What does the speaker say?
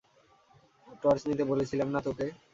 Torch নিতে বলেছিলাম না তোকে?